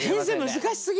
難しすぎる！